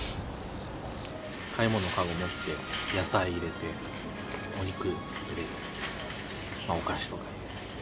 買い物かご持って野菜入れてお肉入れてまあお菓子とか入れて。